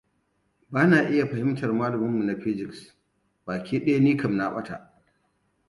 Ba na iya fahimtar malaminmu na physics ba. Baki ɗaya na kam na bata!